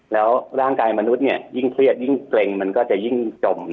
แล้วร่างกายมนุษย์ยิ่งเครียดยิ่งเกร็งมันก็จะยิ่งจม